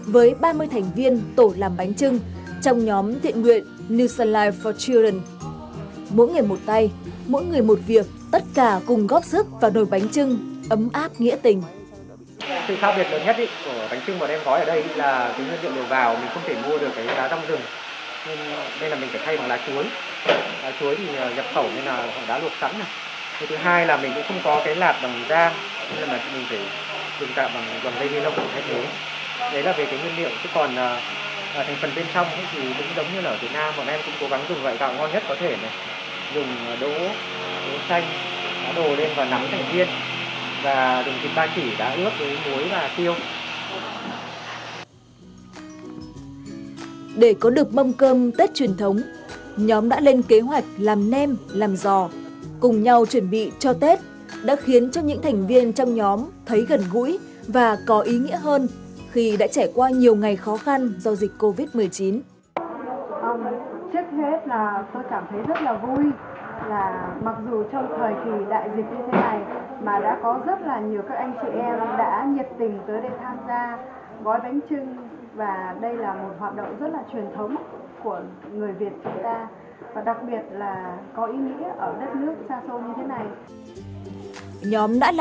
với ba mươi thành viên tổ làm bánh trưng trong nhóm thiện nguyện new sun life for children mỗi người một việc tất cả cùng góp sức vào nồi bánh trưng ấm áp nghĩa tình